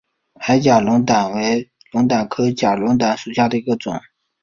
矮假龙胆为龙胆科假龙胆属下的一个种。